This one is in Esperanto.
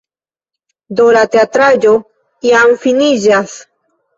Do, la teatraĵo jam finiĝas